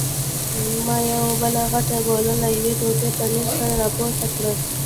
ما یوه بله غټه ګوله له یوې ټوټې پنیر سره راپورته کړل.